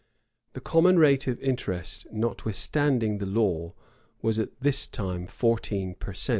The common rate of interest, notwithstanding the law, was at this time fourteen per cent.